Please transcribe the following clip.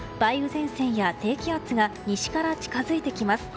前線や低気圧が西から近づいてきます。